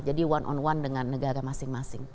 jadi one on one dengan negara masing masing